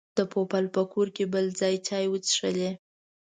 د پوپل په کور کې بل ځل چای وڅښلې.